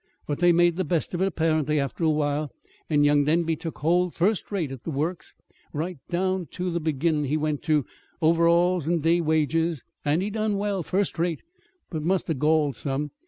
But they made the best of it, apparently, after a while, and young Denby took hold first rate at the Works. Right down to the beginnin' he went, too, overalls and day wages. And he done well first rate! but it must 'a' galled some.